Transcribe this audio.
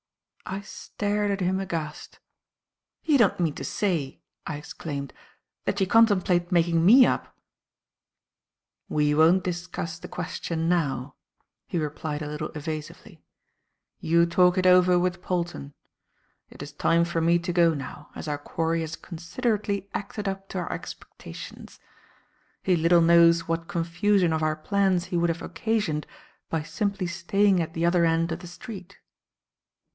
I stared at him aghast. "You don't mean to say," I exclaimed, "that you contemplate making me up?" "We won't discuss the question now," he replied a little evasively. "You talk it over with Polton. It is time for me to go now, as our quarry has considerately acted up to our expectations. He little knows what confusion of our plans he would have occasioned by simply staying at the other end of the street."